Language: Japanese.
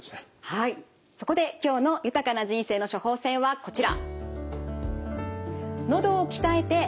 はいそこで今日の「豊かな人生の処方せん」はこちら。